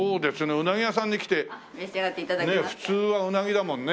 うなぎ屋さんに来て普通はうなぎだもんね。